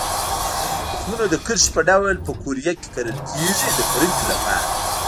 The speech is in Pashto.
تخمونه د کرښې په ډول په قوریه کې کرل کېږي د کرنې لپاره.